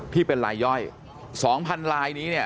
ที่เป็นลายย่อย๒๐๐๐ลายนี้เนี่ย